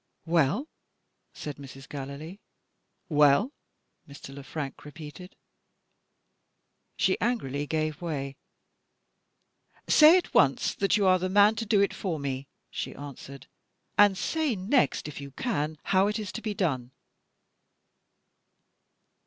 "Well?" said Mrs. Gallilee. "Well?" Mr. Le Frank repeated. She angrily gave way. "Say at once that you are the man to do it for me!" she answered. "And say next if you can how it is to be done."